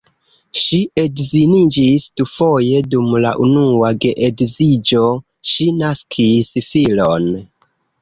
Ŝi edziniĝis dufoje, dum la unua geedziĝo ŝi naskis filon.